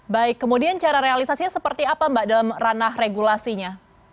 baik kemudian cara realisasinya seperti apa mbak dalam ranah regulasinya